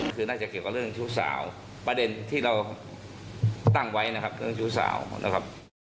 คือน่าจะเกี่ยวกับเรื่องชู้สาวประเด็นที่เราตั้งไว้นะครับเรื่องชู้สาวนะครับ